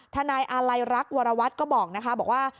นายอาลัยรักวรวัตรก็บอกนะคะบอกว่า